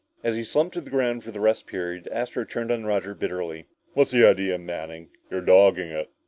As he slumped to the ground for the rest period, Astro turned on Roger bitterly. "What's the idea, Manning? You're dogging it!"